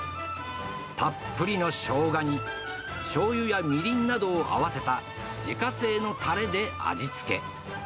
たっぷりのしょうがに、しょうゆやみりんなどを合わせた自家製のたれで味付け。